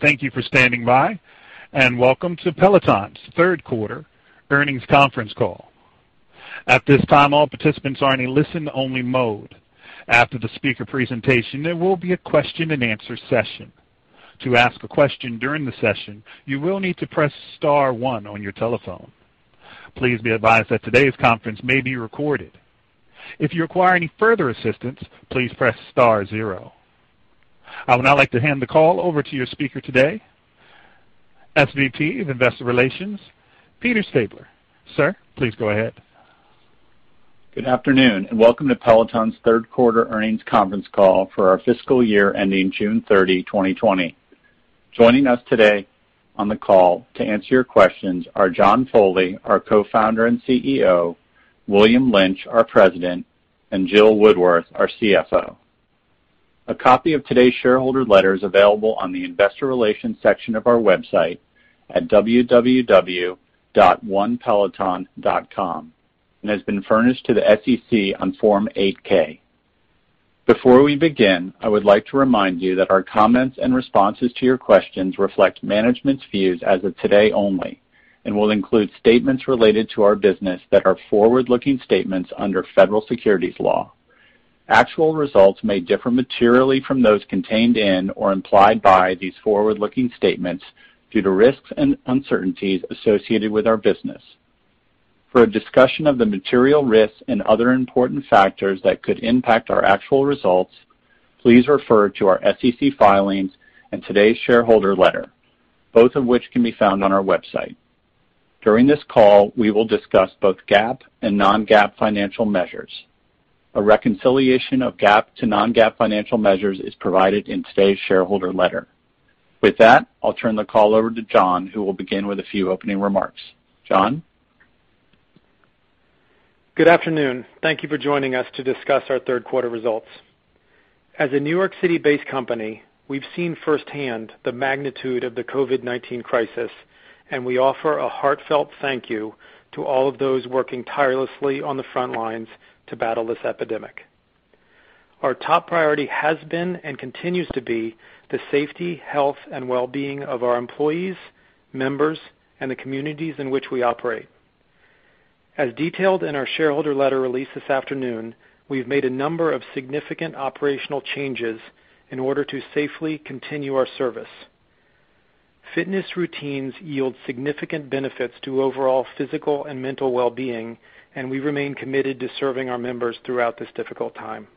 Thank you for standing by, and welcome to Peloton's third quarter earnings conference call. At this time, all participants are in a listen-only mode. After the speaker presentation, there will be a question and answer session. To ask a question during the session, you will need to press star one on your telephone. Please be advised that today's conference may be recorded. If you require any further assistance, please press star zero. I would now like to hand the call over to your speaker today, SVP of Investor Relations, Peter Stabler. Sir, please go ahead. Good afternoon, welcome to Peloton's third quarter earnings conference call for our fiscal year ending June 30, 2020. Joining us today on the call to answer your questions are John Foley, our Co-Founder and CEO, William Lynch, our President, and Jill Woodworth, our CFO. A copy of today's shareholder letter is available on the investor relations section of our website at www.onepeloton.com and has been furnished to the SEC on Form 8-K. Before we begin, I would like to remind you that our comments and responses to your questions reflect management's views as of today only and will include statements related to our business that are forward-looking statements under federal securities law. Actual results may differ materially from those contained in or implied by these forward-looking statements due to risks and uncertainties associated with our business. For a discussion of the material risks and other important factors that could impact our actual results, please refer to our SEC filings and today's shareholder letter, both of which can be found on our website. During this call, we will discuss both GAAP and non-GAAP financial measures. A reconciliation of GAAP to non-GAAP financial measures is provided in today's shareholder letter. With that, I'll turn the call over to John, who will begin with a few opening remarks. John? Good afternoon. Thank you for joining us to discuss our third quarter results. As a New York City-based company, we've seen firsthand the magnitude of the COVID-19 crisis, and we offer a heartfelt thank you to all of those working tirelessly on the front lines to battle this epidemic. Our top priority has been and continues to be the safety, health, and well-being of our employees, members, and the communities in which we operate. As detailed in our shareholder letter released this afternoon, we've made a number of significant operational changes in order to safely continue our service. Fitness routines yield significant benefits to overall physical and mental well-being, and we remain committed to serving our members throughout this difficult time.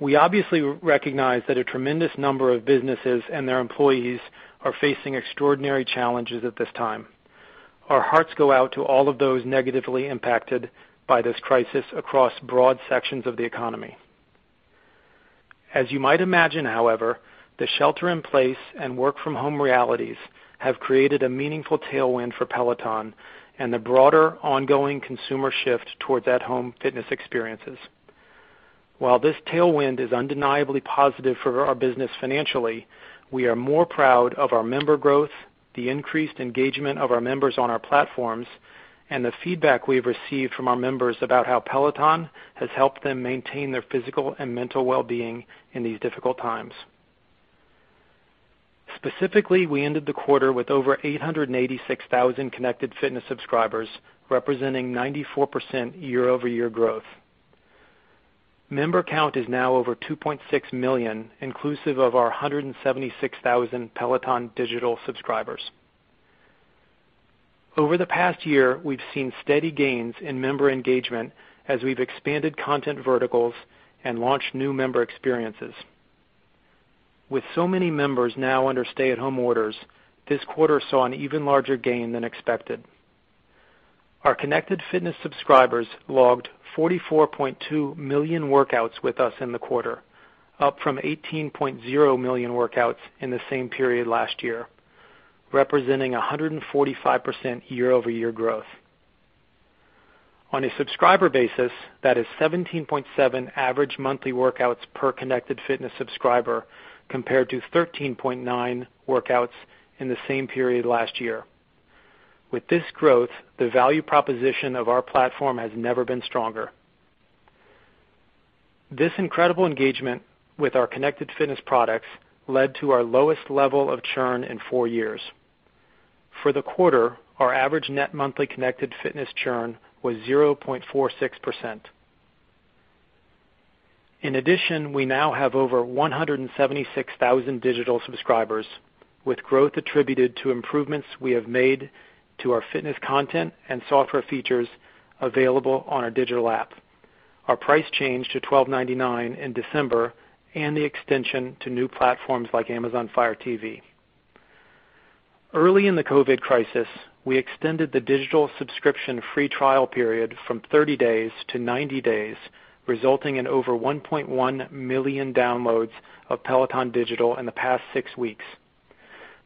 We obviously recognize that a tremendous number of businesses and their employees are facing extraordinary challenges at this time. Our hearts go out to all of those negatively impacted by this crisis across broad sections of the economy. As you might imagine, however, the shelter in place and work-from-home realities have created a meaningful tailwind for Peloton and the broader ongoing consumer shift towards at-home fitness experiences. While this tailwind is undeniably positive for our business financially, we are more proud of our member growth, the increased engagement of our members on our platforms, and the feedback we've received from our members about how Peloton has helped them maintain their physical and mental well-being in these difficult times. Specifically, we ended the quarter with over 886,000 Connected Fitness Subscribers, representing 94% year-over-year growth. Member count is now over 2.6 million, inclusive of our 176,000 Peloton Digital subscribers. Over the past year, we've seen steady gains in member engagement as we've expanded content verticals and launched new member experiences. With so many members now under stay-at-home orders, this quarter saw an even larger gain than expected. Our Connected Fitness Subscribers logged 44.2 million workouts with us in the quarter, up from 18.0 million workouts in the same period last year, representing 145% year-over-year growth. On a subscriber basis, that is 17.7 average monthly workouts per Connected Fitness Subscriber compared to 13.9 workouts in the same period last year. With this growth, the value proposition of our platform has never been stronger. This incredible engagement with our Connected Fitness products led to our lowest level of churn in four years. For the quarter, our average net monthly Connected Fitness churn was 0.46%. In addition, we now have over 176,000 digital subscribers, with growth attributed to improvements we have made to our fitness content and software features available on our digital app, our price change to $12.99 in December, and the extension to new platforms like Amazon Fire TV. Early in the COVID crisis, we extended the digital subscription free trial period from 30 days-90 days, resulting in over 1.1 million downloads of Peloton Digital in the past six weeks.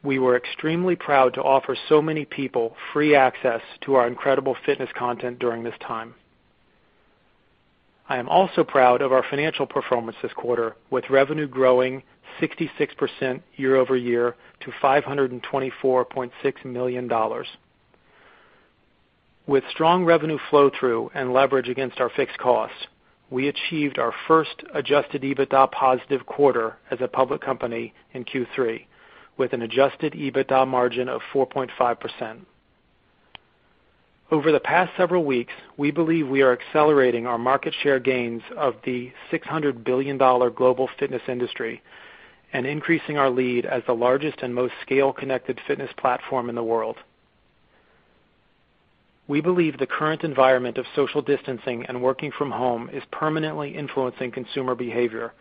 We were extremely proud to offer so many people free access to our incredible fitness content during this time. I am also proud of our financial performance this quarter, with revenue growing 66% year-over-year to $524.6 million. With strong revenue flow-through and leverage against our fixed costs, we achieved our first adjusted EBITDA positive quarter as a public company in Q3, with an adjusted EBITDA margin of 4.5%. Over the past several weeks, we believe we are accelerating our market share gains of the $600 billion global fitness industry, and increasing our lead as the largest and most scale-Connected Fitness platform in the world. We believe the current environment of social distancing and working from home is permanently influencing consumer behavior,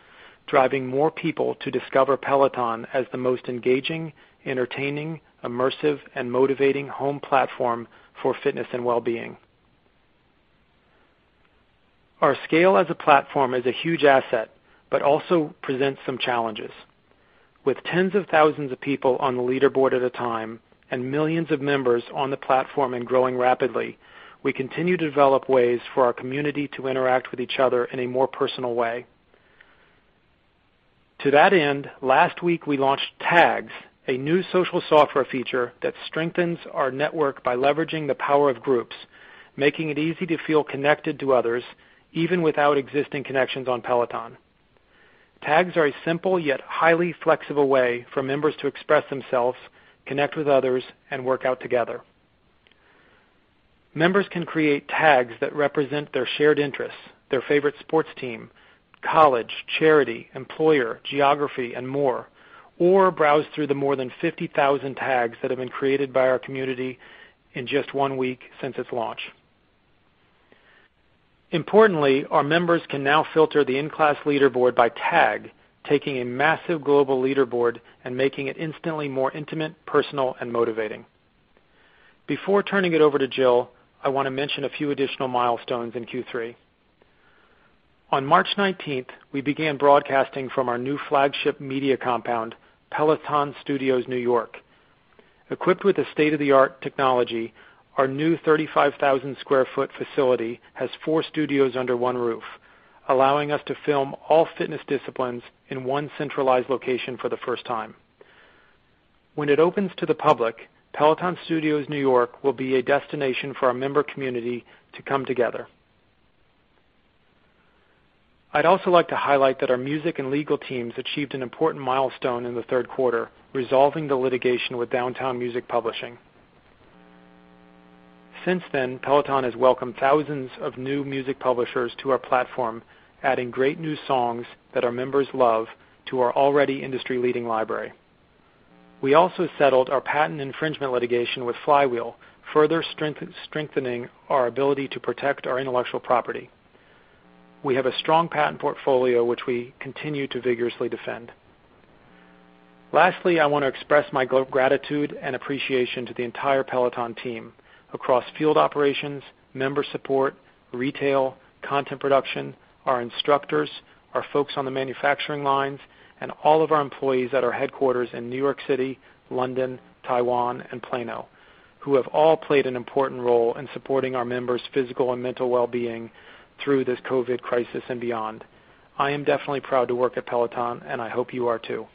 driving more people to discover Peloton as the most engaging, entertaining, immersive, and motivating home platform for fitness and wellbeing. Our scale as a platform is a huge asset, but also presents some challenges. With tens of thousands of people on the leaderboard at a time, and millions of members on the platform and growing rapidly, we continue to develop ways for our community to interact with each other in a more personal way. To that end, last week we launched Tags, a new social software feature that strengthens our network by leveraging the power of groups, making it easy to feel connected to others, even without existing connections on Peloton. Tags are a simple yet highly flexible way for members to express themselves, connect with others, and work out together. Members can create Tags that represent their shared interests, their favorite sports team, college, charity, employer, geography, and more, or browse through the more than 50,000 Tags that have been created by our community in just one week since its launch. Our members can now filter the in-class leaderboard by Tags, taking a massive global leaderboard and making it instantly more intimate, personal, and motivating. Before turning it over to Jill, I want to mention a few additional milestones in Q3. On March 19th, we began broadcasting from our new flagship media compound, Peloton Studios New York. Equipped with state-of-the-art technology, our new 35,000 sq ft facility has four studios under one roof, allowing us to film all fitness disciplines in one centralized location for the first time. When it opens to the public, Peloton Studios New York will be a destination for our member community to come together. I'd also like to highlight that our music and legal teams achieved an important milestone in the third quarter, resolving the litigation with Downtown Music Publishing. Since then, Peloton has welcomed thousands of new music publishers to our platform, adding great new songs that our members love to our already industry-leading library. We also settled our patent infringement litigation with Flywheel, further strengthening our ability to protect our intellectual property. We have a strong patent portfolio, which we continue to vigorously defend. Lastly, I want to express my gratitude and appreciation to the entire Peloton team across field operations, member support, retail, content production, our instructors, our folks on the manufacturing lines, and all of our employees at our headquarters in New York City, London, Taiwan, and Plano, who have all played an important role in supporting our members' physical and mental wellbeing through this COVID crisis and beyond. I am definitely proud to work at Peloton, and I hope you are too.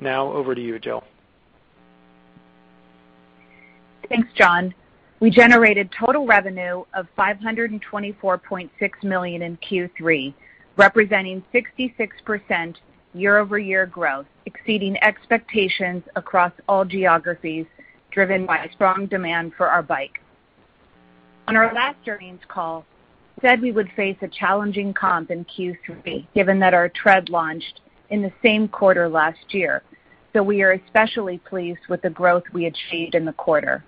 Now over to you, Jill. Thanks, John. We generated total revenue of $524.6 million in Q3, representing 66% year-over-year growth, exceeding expectations across all geographies, driven by strong demand for our Bike. On our last earnings call, we said we would face a challenging comp in Q3, given that our Tread launched in the same quarter last year. We are especially pleased with the growth we achieved in the quarter.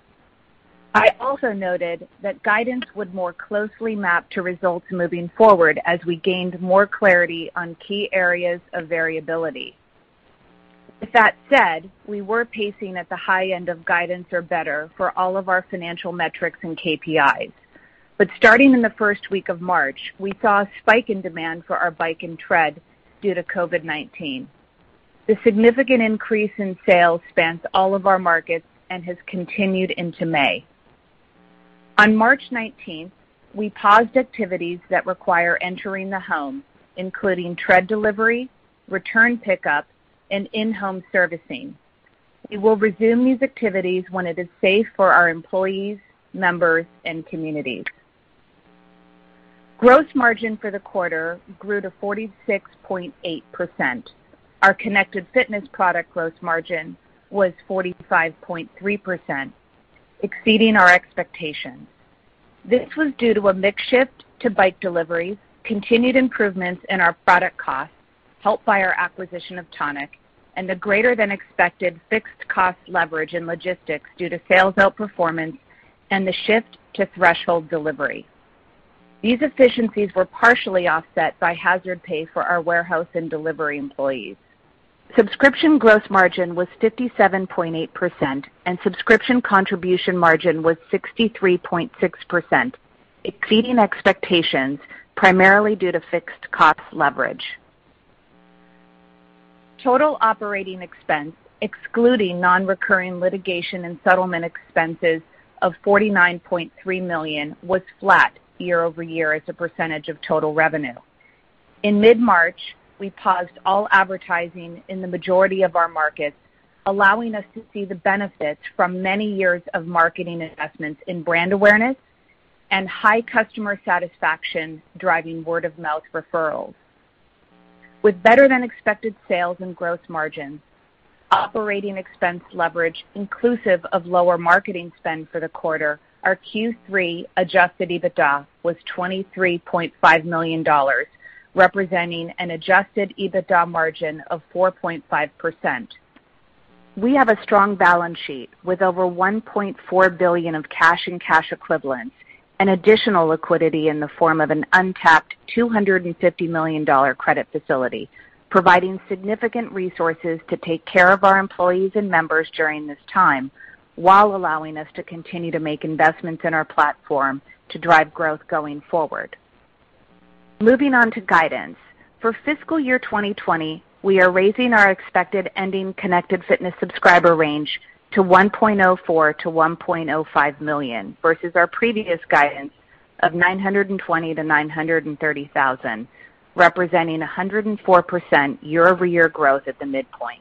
I also noted that guidance would more closely map to results moving forward as we gained more clarity on key areas of variability. With that said, we were pacing at the high end of guidance or better for all of our financial metrics and KPIs. Starting in the first week of March, we saw a spike in demand for our Bike and Tread due to COVID-19. The significant increase in sales spans all of our markets and has continued into May. On March 19th, we paused activities that require entering the home, including Tread delivery, return pickup, and in-home servicing. We will resume these activities when it is safe for our employees, members, and communities. Gross margin for the quarter grew to 46.8%. Our Connected Fitness product gross margin was 45.3%, exceeding our expectations. This was due to a mix shift to bike deliveries, continued improvements in our product costs, helped by our acquisition of Tonic, and the greater than expected fixed cost leverage in logistics due to sales outperformance and the shift to threshold delivery. These efficiencies were partially offset by hazard pay for our warehouse and delivery employees. Subscription gross margin was 57.8%, and Subscription Contribution Margin was 63.6%, exceeding expectations, primarily due to fixed cost leverage. Total operating expense, excluding non-recurring litigation and settlement expenses of $49.3 million, was flat year-over-year as a percentage of total revenue. In mid-March, we paused all advertising in the majority of our markets, allowing us to see the benefits from many years of marketing investments in brand awareness and high customer satisfaction, driving word-of-mouth referrals. With better-than-expected sales and gross margins, operating expense leverage inclusive of lower marketing spend for the quarter, our Q3 adjusted EBITDA was $23.5 million, representing an adjusted EBITDA margin of 4.5%. We have a strong balance sheet with over $1.4 billion of cash and cash equivalents, and additional liquidity in the form of an untapped $250 million credit facility, providing significant resources to take care of our employees and members during this time, while allowing us to continue to make investments in our platform to drive growth going forward. Moving on to guidance. For fiscal year 2020, we are raising our expected ending Connected Fitness Subscriber range to 1.04 million-1.05 million, versus our previous guidance of 920,000-930,000, representing 104% year-over-year growth at the midpoint.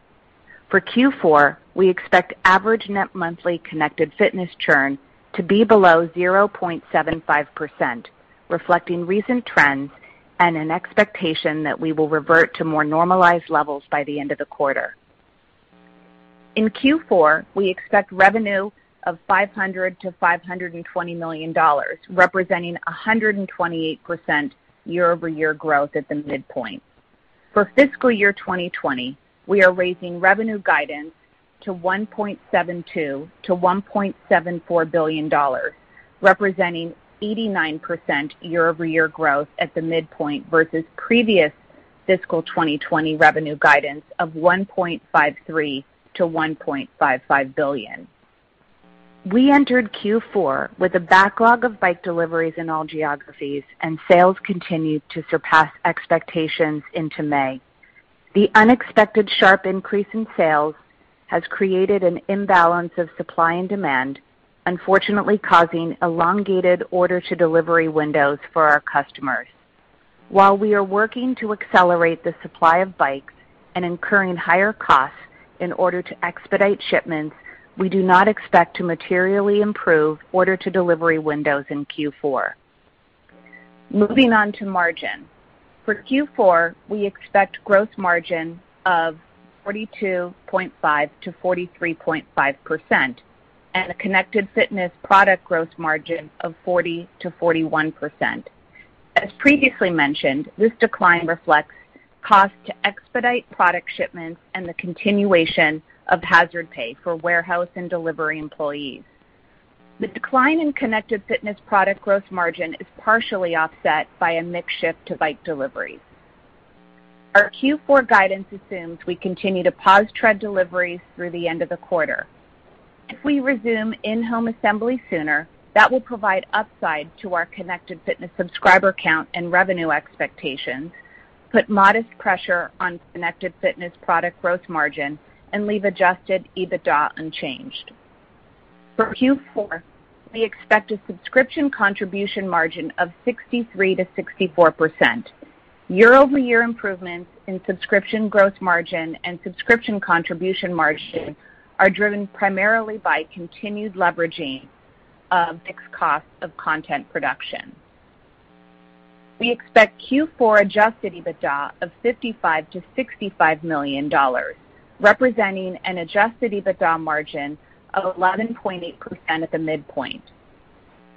For Q4, we expect average net monthly Connected Fitness churn to be below 0.75%, reflecting recent trends and an expectation that we will revert to more normalized levels by the end of the quarter. In Q4, we expect revenue of $500 million-$520 million, representing 128% year-over-year growth at the midpoint. For fiscal year 2020, we are raising revenue guidance to $1.72 billion-$1.74 billion, representing 89% year-over-year growth at the midpoint versus previous fiscal 2020 revenue guidance of $1.53 billion-$1.55 billion. We entered Q4 with a backlog of Bike deliveries in all geographies. Sales continued to surpass expectations into May. The unexpected sharp increase in sales has created an imbalance of supply and demand, unfortunately causing elongated order-to-delivery windows for our customers. While we are working to accelerate the supply of bikes and incurring higher costs in order to expedite shipments, we do not expect to materially improve order-to-delivery windows in Q4. Moving on to margin. For Q4, we expect gross margin of 42.5%-43.5% and a Connected Fitness product gross margin of 40%-41%. As previously mentioned, this decline reflects costs to expedite product shipments and the continuation of hazard pay for warehouse and delivery employees. The decline in Connected Fitness product gross margin is partially offset by a mix shift to Bike deliveries. Our Q4 guidance assumes we continue to pause Tread deliveries through the end of the quarter. If we resume in-home assembly sooner, that will provide upside to our Connected Fitness Subscriber count and revenue expectations, put modest pressure on Connected Fitness product growth margin, and leave adjusted EBITDA unchanged. For Q4, we expect a Subscription Contribution Margin of 63%-64%. year-over-year improvements in subscription growth margin and Subscription Contribution Margin are driven primarily by continued leveraging of mixed costs of content production. We expect Q4 adjusted EBITDA of $55 million-$65 million, representing an adjusted EBITDA margin of 11.8% at the midpoint.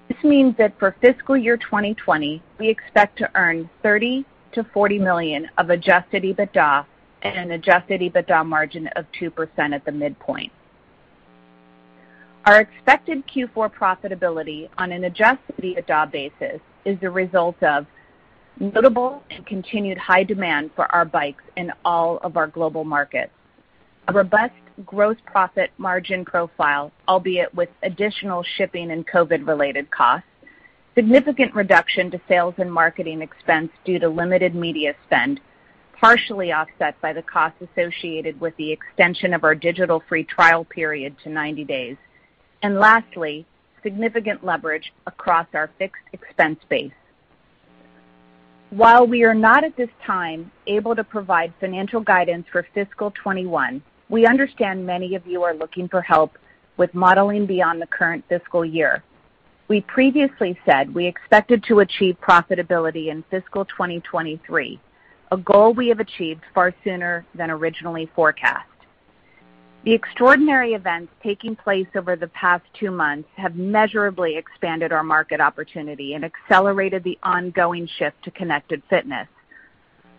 This means that for fiscal year 2020, we expect to earn $30 million-$40 million of adjusted EBITDA and an adjusted EBITDA margin of 2% at the midpoint. Our expected Q4 profitability on an adjusted EBITDA basis is the result of notable and continued high demand for our bikes in all of our global markets, a robust gross profit margin profile, albeit with additional shipping and COVID-related costs, significant reduction to sales and marketing expense due to limited media spend, partially offset by the costs associated with the extension of our digital free trial period to 90 days, and lastly, significant leverage across our fixed expense base. While we are not at this time able to provide financial guidance for fiscal 2021, we understand many of you are looking for help with modeling beyond the current fiscal year. We previously said we expected to achieve profitability in fiscal 2023, a goal we have achieved far sooner than originally forecast. The extraordinary events taking place over the past two months have measurably expanded our market opportunity and accelerated the ongoing shift to Connected Fitness.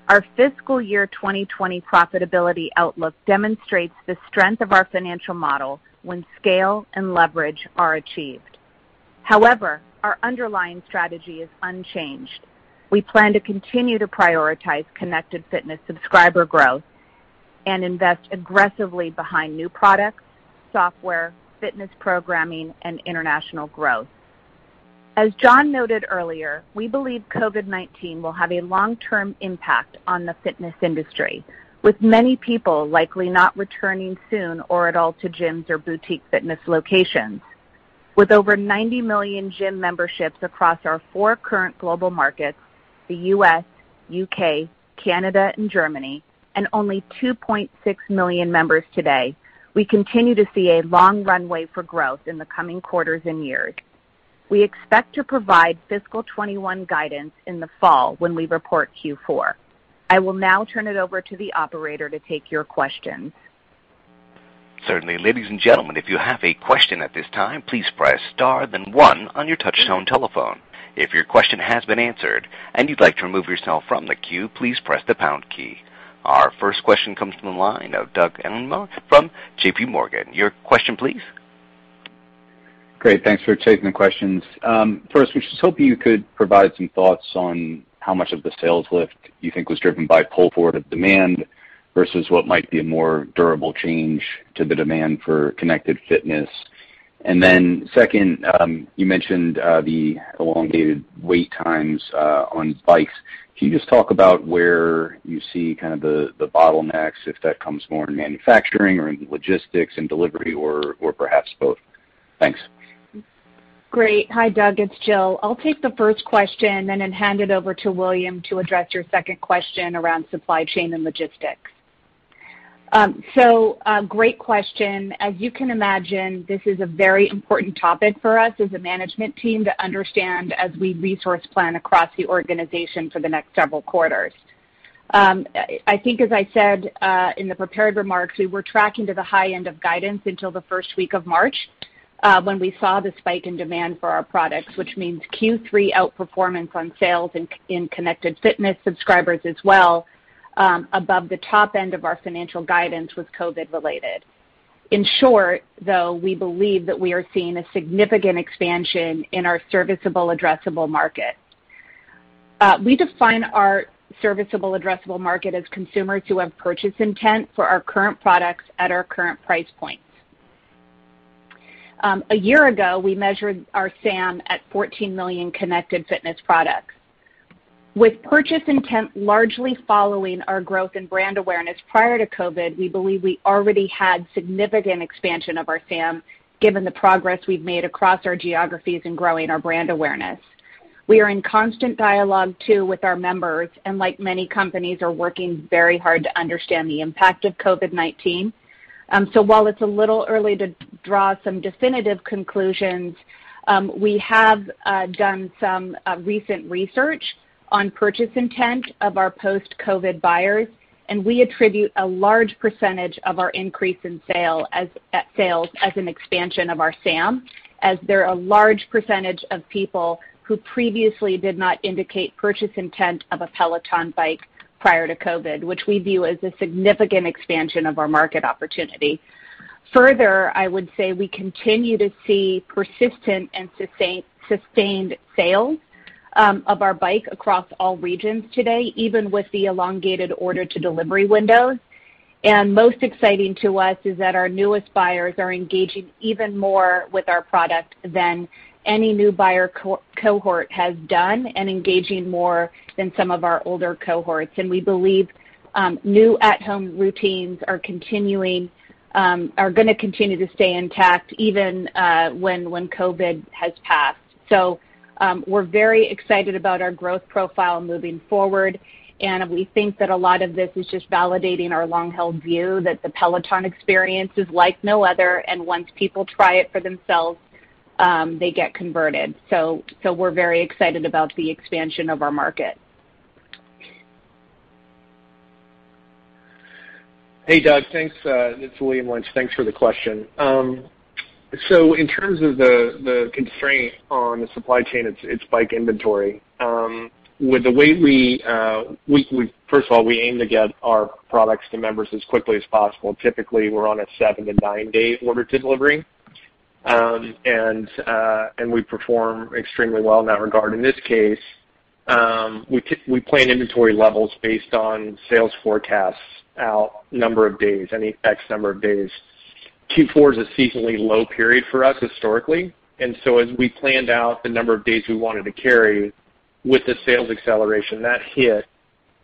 Our fiscal year 2020 profitability outlook demonstrates the strength of our financial model when scale and leverage are achieved. However, our underlying strategy is unchanged. We plan to continue to prioritize Connected Fitness Subscriber growth and invest aggressively behind new products, software, fitness programming, and international growth. As John noted earlier, we believe COVID-19 will have a long-term impact on the fitness industry, with many people likely not returning soon or at all to gyms or boutique fitness locations. With over 90 million gym memberships across our four current global markets, the U.S., U.K., Canada, and Germany, and only 2.6 million members today, we continue to see a long runway for growth in the coming quarters and years. We expect to provide fiscal 2021 guidance in the fall when we report Q4. I will now turn it over to the Operator to take your questions. Certainly. Ladies and gentlemen, if you have a question at this time, please press star then one on your touchtone telephone. If your question has been answered and you'd like to remove yourself from the queue, please press the pound key. Our first question comes from the line of Doug Anmuth from JPMorgan. Your question please. Great. Thanks for taking the questions. First, we were just hoping you could provide some thoughts on how much of the sales lift you think was driven by pull-forward of demand versus what might be a more durable change to the demand for Connected Fitness. Second, you mentioned the elongated wait times on bikes. Can you just talk about where you see the bottlenecks, if that comes more in manufacturing or in logistics and delivery or perhaps both? Thanks. Great. Hi, Doug. It's Jill. I'll take the first question and then hand it over to William to address your second question around supply chain and logistics. Great question. As you can imagine, this is a very important topic for us as a management team to understand as we resource plan across the organization for the next several quarters. I think as I said in the prepared remarks, we were tracking to the high end of guidance until the first week of March, when we saw the spike in demand for our products, which means Q3 outperformance on sales and in Connected Fitness Subscribers as well, above the top end of our financial guidance was COVID-related. In short, though, we believe that we are seeing a significant expansion in our Serviceable Addressable Market. We define our Serviceable Addressable Market as consumers who have purchase intent for our current products at our current price points. A year ago, we measured our SAM at 14 million Connected Fitness products. With purchase intent largely following our growth in brand awareness prior to COVID, we believe we already had significant expansion of our SAM, given the progress we've made across our geographies in growing our brand awareness. We are in constant dialogue, too, with our members, and like many companies, are working very hard to understand the impact of COVID-19. While it's a little early to draw some definitive conclusions, we have done some recent research on purchase intent of our post-COVID buyers. And we attribute a large percentage of our increase in sales as an expansion of our SAM, as they're a large percentage of people who previously did not indicate purchase intent of a Peloton Bike prior to COVID, which we view as a significant expansion of our market opportunity. Further, I would say we continue to see persistent and sustained sales of our Bike across all regions today, even with the elongated order to delivery windows. Most exciting to us is that our newest buyers are engaging even more with our product than any new buyer cohort has done, and engaging more than some of our older cohorts. We believe new at-home routines are going to continue to stay intact even when COVID has passed. We're very excited about our growth profile moving forward, and we think that a lot of this is just validating our long-held view that the Peloton experience is like no other, and once people try it for themselves, they get converted. We're very excited about the expansion of our market. Hey, Doug. Thanks. It's William Lynch. Thanks for the question. In terms of the constraint on the supply chain, it's Bike inventory. First of all, we aim to get our products to members as quickly as possible. Typically, we're on a seven to nine-day order to delivery. We perform extremely well in that regard. In this case, we plan inventory levels based on sales forecasts out number of days, any X number of days. Q4 is a seasonally low period for us historically. As we planned out the number of days we wanted to carry with the sales acceleration, that hit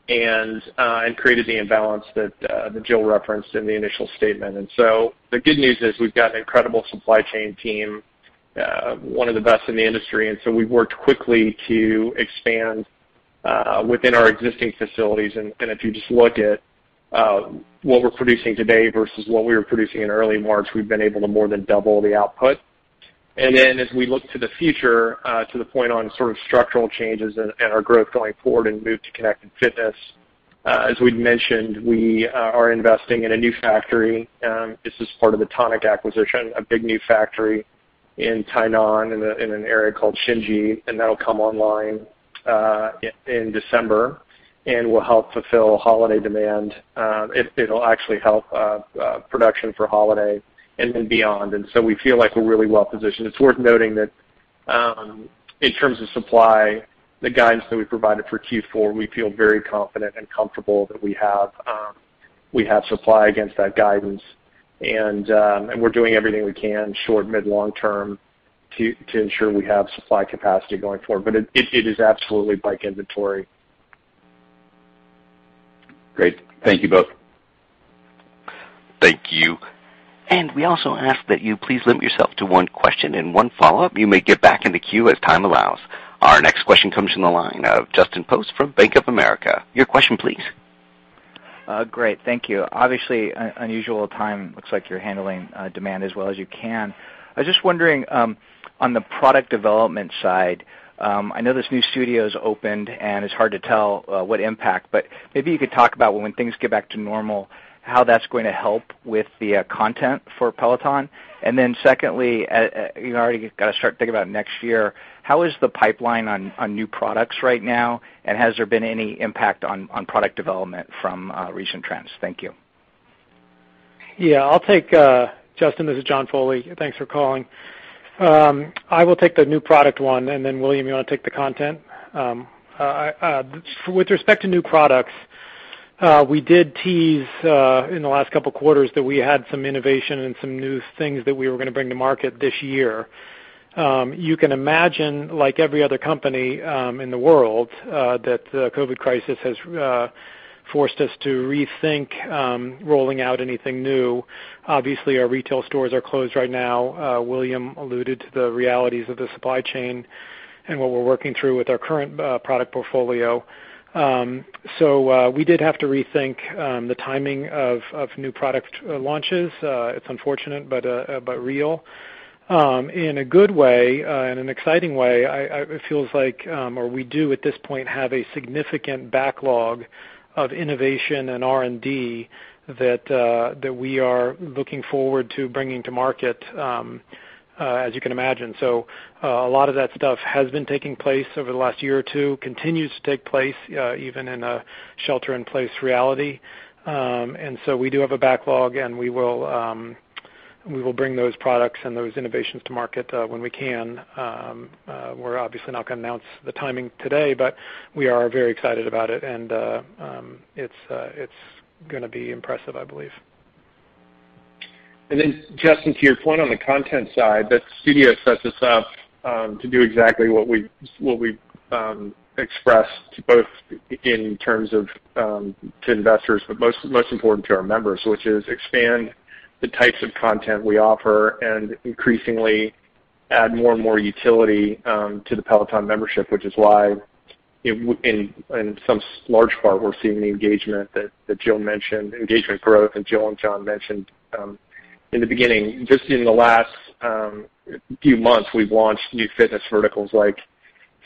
and created the imbalance that Jill referenced in the initial statement. The good news is we've got an incredible supply chain team, one of the best in the industry. We've worked quickly to expand within our existing facilities. If you just look at what we're producing today versus what we were producing in early March, we've been able to more than double the output. As we look to the future, to the point on sort of structural changes and our growth going forward and move to Connected Fitness, as we'd mentioned, we are investing in a new factory. This is part of the Tonic acquisition, a big new factory in Tainan in an area called Sinji, and that'll come online in December and will help fulfill holiday demand. It'll actually help production for holiday and then beyond. We feel like we're really well positioned. It's worth noting that in terms of supply, the guidance that we provided for Q4, we feel very confident and comfortable that we have supply against that guidance. We're doing everything we can short, mid, long term to ensure we have supply capacity going forward. It is absolutely Bike inventory. Great. Thank you both. Thank you. We also ask that you please limit yourself to one question and one follow-up. You may get back in the queue as time allows. Our next question comes from the line of Justin Post from Bank of America. Your question, please. Great. Thank you. Obviously, unusual time. Looks like you're handling demand as well as you can. I was just wondering, on the product development side, I know this new studio's opened, and it's hard to tell what impact, but maybe you could talk about when things get back to normal, how that's going to help with the content for Peloton. Secondly, you already got to start thinking about next year. How is the pipeline on new products right now, and has there been any impact on product development from recent trends? Thank you. Yeah. Justin, this is John Foley. Thanks for calling. I will take the new product one, and then William, you want to take the content? With respect to new products, we did tease, in the last couple of quarters, that we had some innovation and some new things that we were going to bring to market this year. You can imagine, like every other company in the world, that the COVID crisis has forced us to rethink rolling out anything new. Obviously, our retail stores are closed right now. William alluded to the realities of the supply chain and what we're working through with our current product portfolio. We did have to rethink the timing of new product launches. It's unfortunate, but real. In a good way and an exciting way, it feels like, or we do, at this point, have a significant backlog of innovation and R&D that we are looking forward to bringing to market, as you can imagine. A lot of that stuff has been taking place over the last year or two, continues to take place, even in a shelter-in-place reality. We do have a backlog, and we will bring those products and those innovations to market when we can. We're obviously not going to announce the timing today, but we are very excited about it, and it's going to be impressive, I believe. Justin, to your point on the content side, that studio sets us up to do exactly what we've expressed both in terms of to investors, but most important to our members, which is expand the types of content we offer and increasingly add more and more utility to the Peloton membership, which is why, in some large part, we're seeing the engagement that Jill mentioned, engagement growth that Jill and John mentioned in the beginning. Just in the last few months, we've launched new fitness verticals like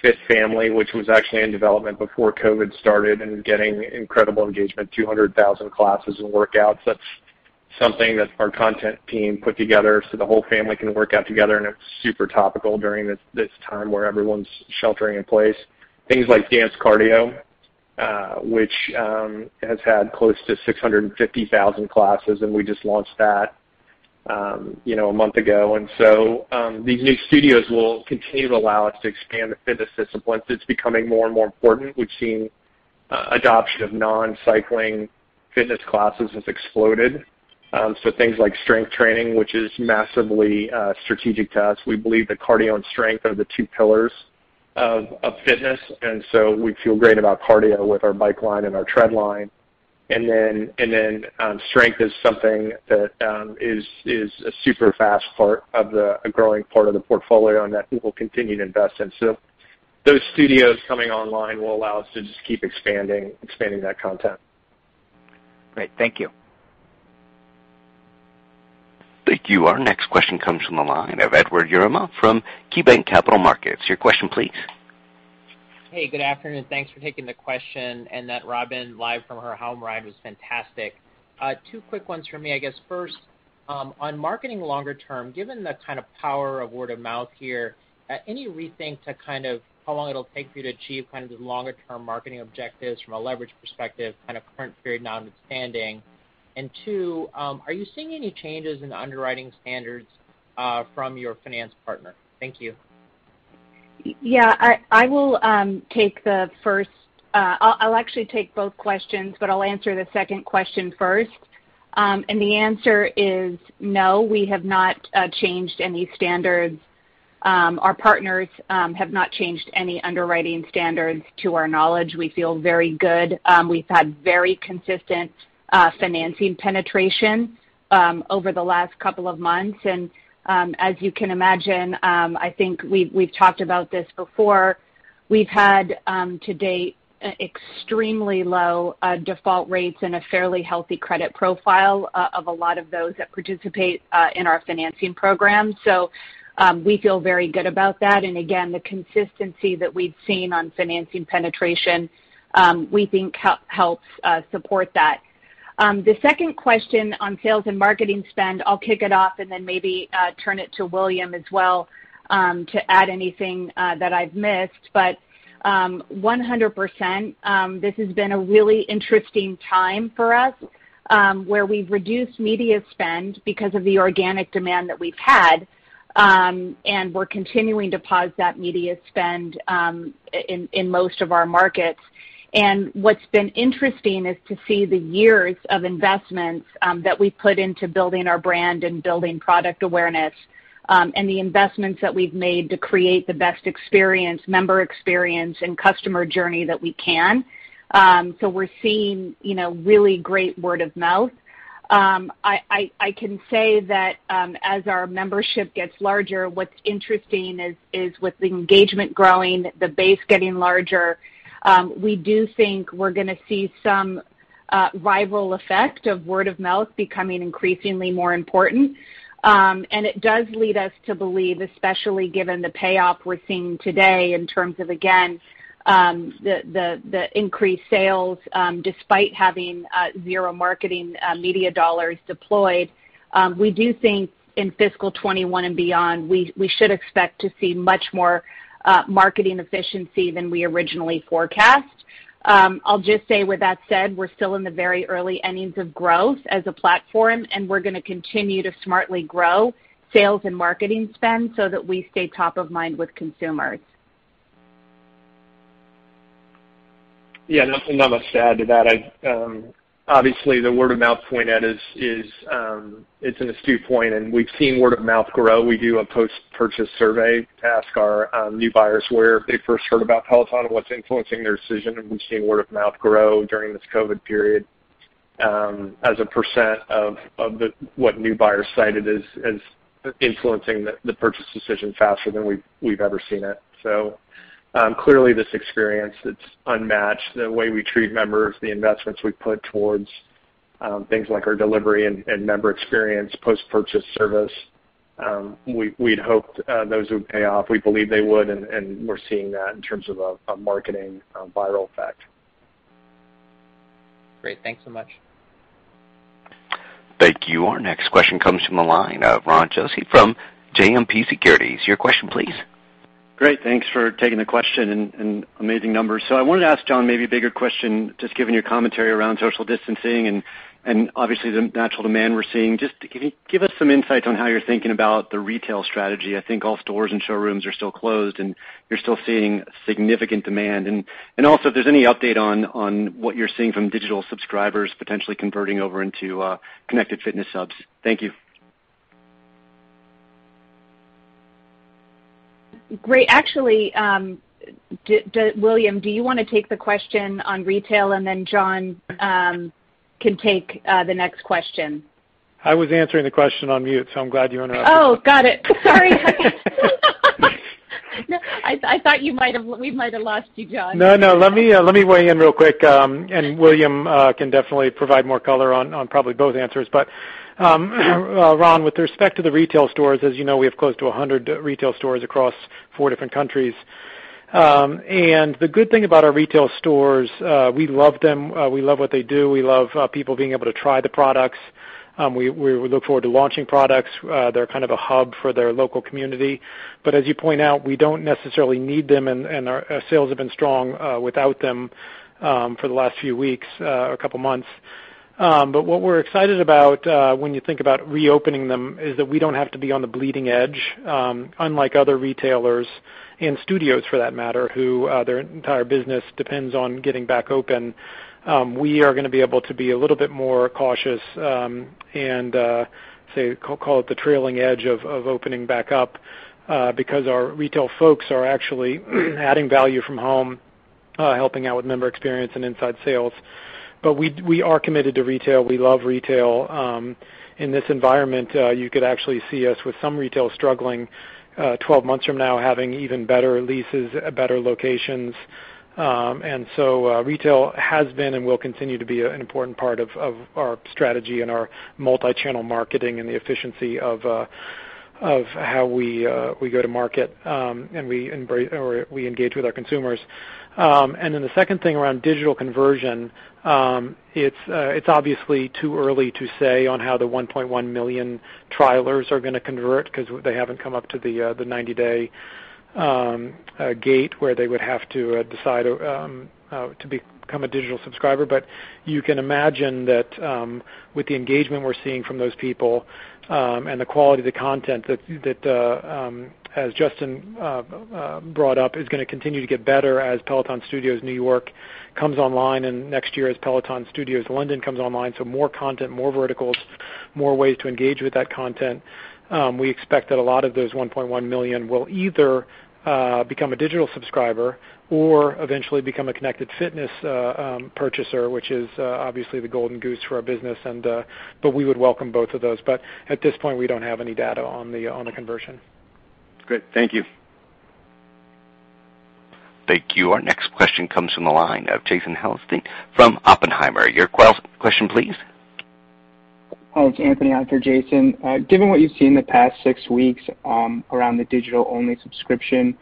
Fit Family, which was actually in development before COVID started and getting incredible engagement, 200,000 classes and workouts. That's something that our content team put together so the whole family can work out together, and it's super topical during this time where everyone's sheltering in place. Things like Dance Cardio, which has had close to 650,000 classes. We just launched that one month ago. These new studios will continue to allow us to expand the fitness disciplines that's becoming more and more important. We've seen adoption of non-cycling fitness classes has exploded. Things like strength training, which is massively strategic to us. We believe that cardio and strength are the two pillars of fitness. We feel great about cardio with our Bike line and our Tread line. Strength is something that is a growing part of the portfolio and that we will continue to invest in. Those studios coming online will allow us to just keep expanding that content. Great. Thank you. Thank you. Our next question comes from the line of Edward Yruma from KeyBanc Capital Markets. Your question, please. Hey, good afternoon. Thanks for taking the question, and that Robin live from her home ride was fantastic. Two quick ones from me. I guess first, on marketing longer term, given the kind of power of word of mouth here, any rethink to kind of how long it'll take you to achieve kind of the longer-term marketing objectives from a leverage perspective, kind of current period notwithstanding? Two, are you seeing any changes in underwriting standards from your finance partner? Thank you. Yeah. I will take the first. I'll actually take both questions, but I'll answer the second question first. The answer is no, we have not changed any standards. Our partners have not changed any underwriting standards to our knowledge. We feel very good. We've had very consistent financing penetration over the last couple of months. As you can imagine, I think we've talked about this before. We've had, to date, extremely low default rates and a fairly healthy credit profile of a lot of those that participate in our financing program. We feel very good about that. Again, the consistency that we've seen on financing penetration, we think helps support that. The second question on sales and marketing spend, I'll kick it off and then maybe turn it to William as well, to add anything that I've missed. 100%, this has been a really interesting time for us, where we've reduced media spend because of the organic demand that we've had, and we're continuing to pause that media spend in most of our markets. What's been interesting is to see the years of investments that we put into building our brand and building product awareness, and the investments that we've made to create the best experience, Member Experience, and customer journey that we can. We're seeing really great word of mouth. I can say that as our membership gets larger, what's interesting is with the engagement growing, the base getting larger, we do think we're going to see some viral effect of word of mouth becoming increasingly more important. It does lead us to believe, especially given the payoff we are seeing today in terms of, again, the increased sales, despite having zero marketing media dollars deployed. We do think in fiscal 2021 and beyond, we should expect to see much more marketing efficiency than we originally forecast. I will just say with that said, we are still in the very early innings of growth as a platform, and we are going to continue to smartly grow sales and marketing spend so that we stay top of mind with consumers. Yeah, nothing much to add to that. Obviously, the word of mouth point, Ed, it's an astute point, and we've seen word of mouth grow. We do a post-purchase survey to ask our new buyers where they first heard about Peloton and what's influencing their decision, and we've seen word of mouth grow during this COVID period, as a percent of what new buyers cited as influencing the purchase decision faster than we've ever seen it. Clearly, this experience, it's unmatched. The way we treat members, the investments we put towards things like our delivery and member experience, post-purchase service. We'd hoped those would pay off. We believe they would, and we're seeing that in terms of a marketing viral effect. Great. Thanks so much. Thank you. Our next question comes from the line of Ron Josey from JMP Securities. Your question, please. Great. Thanks for taking the question, and amazing numbers. I wanted to ask John maybe a bigger question, just given your commentary around social distancing and obviously the natural demand we're seeing. Just, can you give us some insights on how you're thinking about the retail strategy? I think all stores and showrooms are still closed, and you're still seeing significant demand. Also, if there's any update on what you're seeing from digital subscribers potentially converting over into Connected Fitness Subs? Thank you. Great. Actually, William, do you want to take the question on retail, and then John can take the next question? I was answering the question on mute, so I'm glad you interrupted. Oh, got it. Sorry. I thought we might have lost you, John. No, let me weigh in real quick, and William can definitely provide more color on probably both answers. Ron, with respect to the retail stores, as you know, we have close to 100 retail stores across four different countries. The good thing about our retail stores, we love them. We love what they do. We love people being able to try the products. We look forward to launching products. They're kind of a hub for their local community. As you point out, we don't necessarily need them, and our sales have been strong without them for the last few weeks or couple months. What we're excited about when you think about reopening them is that we don't have to be on the bleeding edge, unlike other retailers and studios for that matter, who their entire business depends on getting back open. We are going to be able to be a little bit more cautious, and call it the trailing edge of opening back up, because our retail folks are actually adding value from home, helping out with member experience and inside sales. We are committed to retail. We love retail. In this environment, you could actually see us with some retail struggling 12 months from now, having even better leases, better locations. Retail has been and will continue to be an important part of our strategy and our multi-channel marketing and the efficiency of how we go to market, and we engage with our consumers. The second thing around digital conversion, it's obviously too early to say on how the 1.1 million trialers are going to convert because they haven't come up to the 90-day gate where they would have to decide to become a digital subscriber. You can imagine that with the engagement we're seeing from those people and the quality of the content that, as Justin brought up, is going to continue to get better as Peloton Studios New York comes online and next year as Peloton Studios London comes online. More content, more verticals, more ways to engage with that content. We expect that a lot of those 1.1 million will either become a digital subscriber or eventually become a Connected Fitness purchaser, which is obviously the golden goose for our business. We would welcome both of those. At this point, we don't have any data on the conversion. Great. Thank you. Thank you. Our next question comes from the line of Jason Helfstein from Oppenheimer. Your question, please. It's Anthony on for Jason. Given what you've seen in the past six weeks around the digital-only subscription,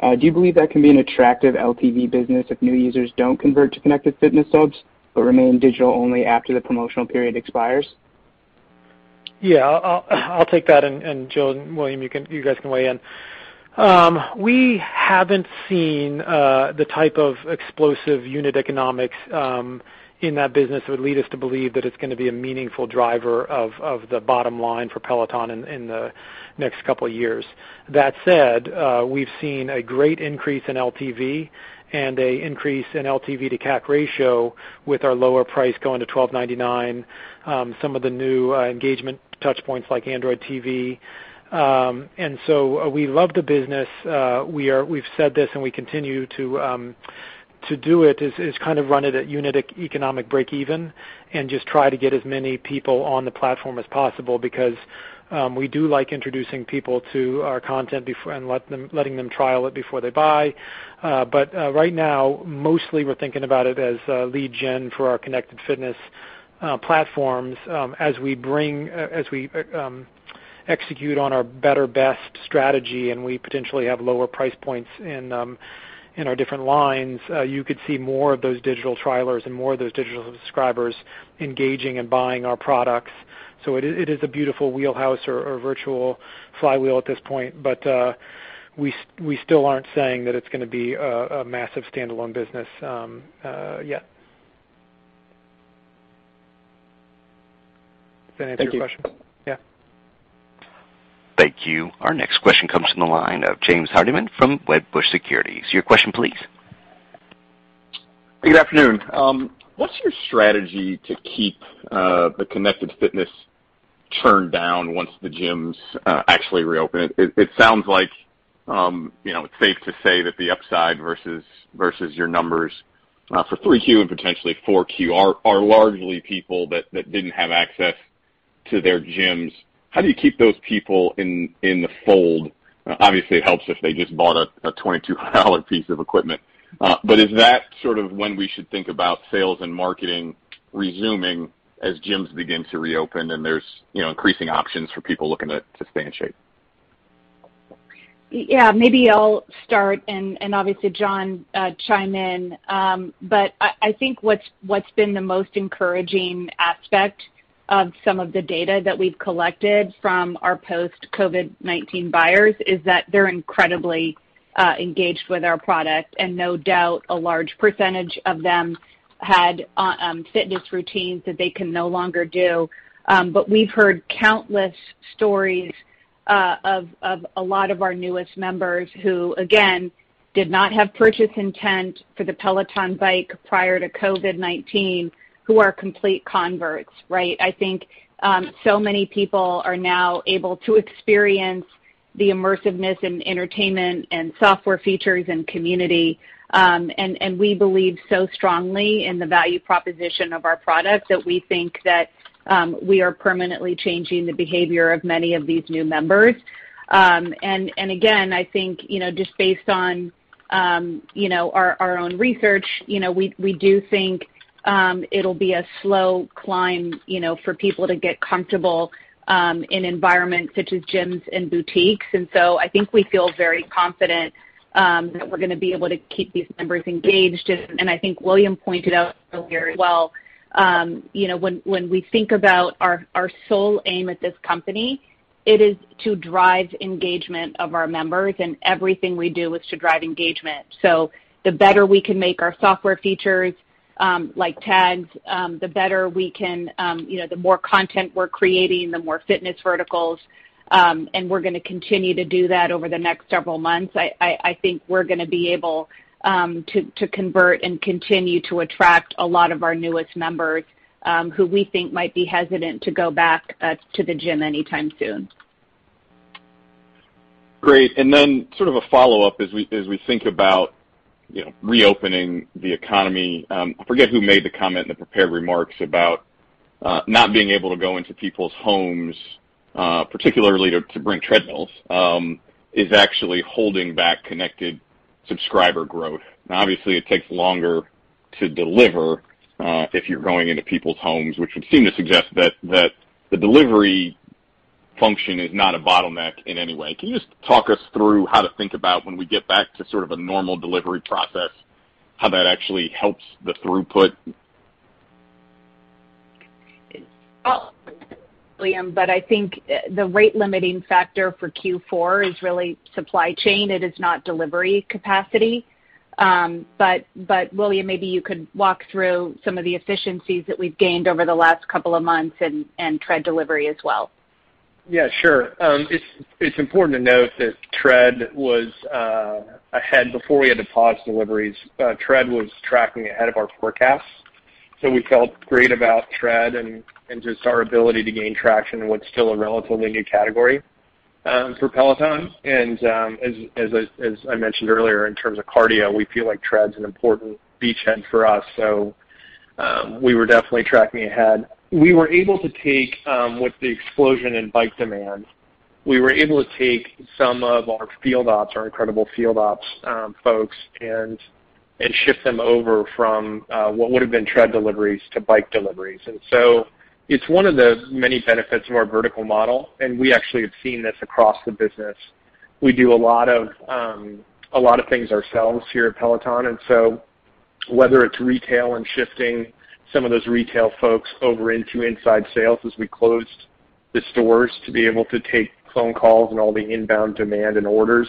do you believe that can be an attractive LTV business if new users don't convert to Connected Fitness Subs, but remain digital only after the promotional period expires? Yeah. I'll take that, and Jill and William, you guys can weigh in. We haven't seen the type of explosive unit economics in that business that would lead us to believe that it's going to be a meaningful driver of the bottom line for Peloton in the next couple of years. That said, we've seen a great increase in LTV and an increase in LTV to CAC ratio with our lower price going to $12.99, some of the new engagement touch points like Android TV. We love the business. We've said this and we continue to do it is kind of run it at unit economic breakeven and just try to get as many people on the platform as possible, because we do like introducing people to our content and letting them trial it before they buy. Right now, mostly we're thinking about it as lead gen for our Connected Fitness platforms. As we execute on our better best strategy and we potentially have lower price points in our different lines, you could see more of those digital trialers and more of those digital subscribers engaging and buying our products. It is a beautiful wheelhouse or virtual flywheel at this point. We still aren't saying that it's going to be a massive standalone business yet. Does that answer your question? Thank you. Yeah. Thank you. Our next question comes from the line of James Hardiman from Wedbush Securities. Your question please. Good afternoon. What's your strategy to keep the Connected Fitness churn down once the gyms actually reopen? It sounds like it's safe to say that the upside versus your numbers for 3Q and potentially 4Q are largely people that didn't have access to their gyms. How do you keep those people in the fold? Obviously, it helps if they just bought a 22 pallet piece of equipment. Is that sort of when we should think about sales and marketing resuming as gyms begin to reopen and there's increasing options for people looking to stay in shape? Yeah. Maybe I'll start and, obviously, John chime in. I think what's been the most encouraging aspect of some of the data that we've collected from our post-COVID-19 buyers is that they're incredibly engaged with our product, and no doubt a large percentage of them had fitness routines that they can no longer do. We've heard countless stories of a lot of our newest members who, again, did not have purchase intent for the Peloton Bike prior to COVID-19, who are complete converts, right? I think so many people are now able to experience the immersiveness in entertainment and software features and community. We believe so strongly in the value proposition of our product that we think that we are permanently changing the behavior of many of these new members. Again, I think, just based on our own research, we do think it'll be a slow climb for people to get comfortable in environments such as gyms and boutiques. I think we feel very confident that we're going to be able to keep these members engaged. I think William pointed out very well when we think about our sole aim at this company, it is to drive engagement of our members, and everything we do is to drive engagement. The better we can make our software features, like Tags, the more content we're creating, the more fitness verticals, and we're going to continue to do that over the next several months. I think we're going to be able to convert and continue to attract a lot of our newest members, who we think might be hesitant to go back to the gym anytime soon. Sort of a follow-up, as we think about reopening the economy. I forget who made the comment in the prepared remarks about not being able to go into people's homes, particularly to bring treadmills, is actually holding back Connected Fitness Subscriber growth. Now, obviously, it takes longer to deliver if you're going into people's homes, which would seem to suggest that the delivery function is not a bottleneck in any way. Can you just talk us through how to think about when we get back to sort of a normal delivery process, how that actually helps the throughput? I think the rate-limiting factor for Q4 is really supply chain. It is not delivery capacity. William, maybe you could walk through some of the efficiencies that we've gained over the last couple of months and Tread delivery as well? Yeah, sure. It's important to note that Tread was ahead before we had to pause deliveries. Tread was tracking ahead of our forecast. We felt great about Tread and just our ability to gain traction in what's still a relatively new category for Peloton. As I mentioned earlier, in terms of cardio, we feel like Tread's an important beachhead for us, so we were definitely tracking ahead. With the explosion in Bike demand, we were able to take some of our field ops, our incredible field ops folks, and shift them over from what would've been Tread deliveries to Bike deliveries. It's one of the many benefits of our vertical model, and we actually have seen this across the business. We do a lot of things ourselves here at Peloton, whether it's retail and shifting some of those retail folks over into inside sales as we closed the stores to be able to take phone calls and all the inbound demand and orders.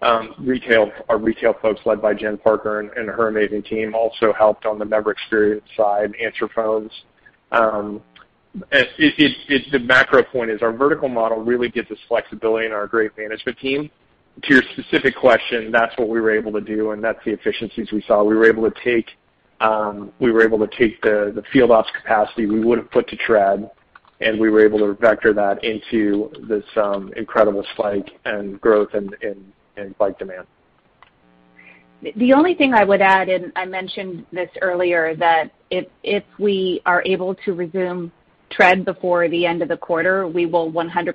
Our retail folks, led by Jen Parker and her amazing team, also helped on the member experience side, answer phones. The macro point is our vertical model really gives us flexibility in our great management team. To your specific question, that's what we were able to do, and that's the efficiencies we saw. We were able to take the field ops capacity we would have put to Tread, and we were able to vector that into this incredible spike and growth in Bike demand. The only thing I would add, I mentioned this earlier, that if we are able to resume Tread before the end of the quarter, we will 100%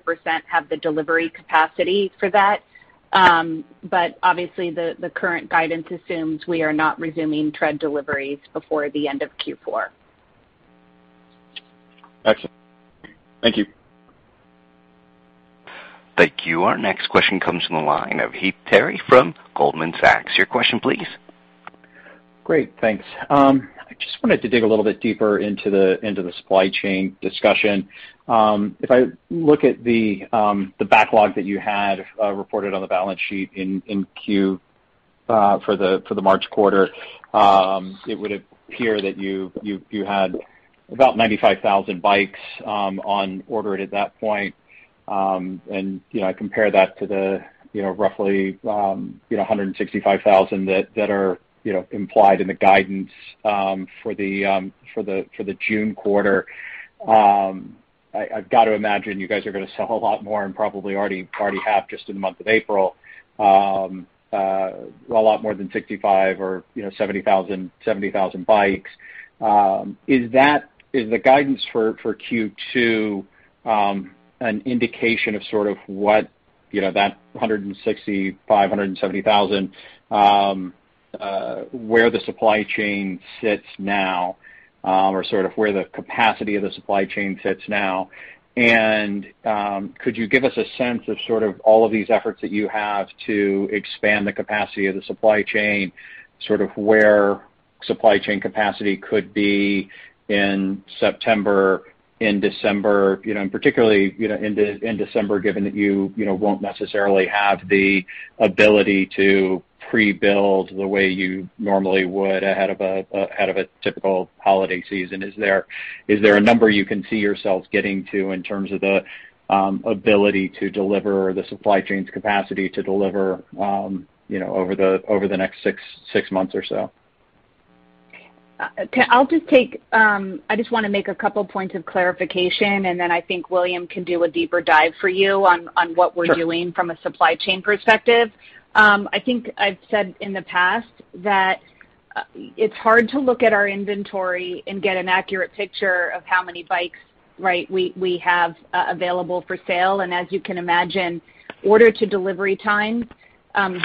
have the delivery capacity for that. Obviously the current guidance assumes we are not resuming Tread deliveries before the end of Q4. Okay. Thank you. Thank you. Our next question comes from the line of Heath Terry from Goldman Sachs. Your question please. Great, thanks. I just wanted to dig a little bit deeper into the supply chain discussion. If I look at the backlog that you had reported on the balance sheet in Q for the March quarter, it would appear that you had about 95,000 bikes on order at that point. I compare that to the roughly 165,000 that are implied in the guidance for the June quarter. I've got to imagine you guys are going to sell a lot more and probably already have just in the month of April, a lot more than 65,000 or 70,000 bikes. Is the guidance for Q2 an indication of sort of what that 165,000, 170,000, where the supply chain sits now, or sort of where the capacity of the supply chain sits now? Could you give us a sense of sort of all of these efforts that you have to expand the capacity of the supply chain, sort of where supply chain capacity could be in September, in December, and particularly in December, given that you won't necessarily have the ability to pre-build the way you normally would ahead of a typical holiday season. Is there a number you can see yourselves getting to in terms of the ability to deliver or the supply chain's capacity to deliver over the next six months or so? I just want to make a couple points of clarification, and then I think William can do a deeper dive for you on what we're doing. Sure. From a supply chain perspective. I think I've said in the past that it's hard to look at our inventory and get an accurate picture of how many bikes, right, we have available for sale. As you can imagine, order-to-delivery times